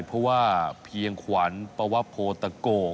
เพราะว่าเพียงขวัญเพราะว่าโภตเกิล